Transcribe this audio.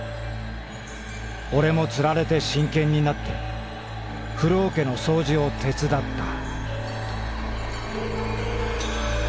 オレもつられて真剣になってフロおけの掃除を手つだった」。